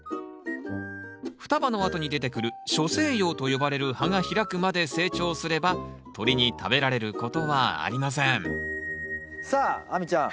双葉のあとに出てくる初生葉と呼ばれる葉が開くまで成長すれば鳥に食べられることはありませんさあ亜美ちゃん。